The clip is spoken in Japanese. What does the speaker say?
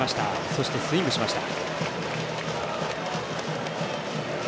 そして、スイングしました。